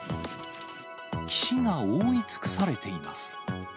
岸が覆い尽くされています。